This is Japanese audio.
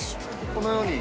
このように。